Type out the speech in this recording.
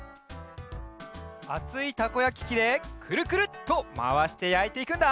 あついたこやききでくるくるっとまわしてやいていくんだ。